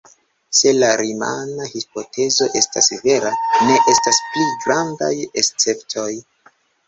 Se la rimana hipotezo estas vera, ne estas pli grandaj esceptoj.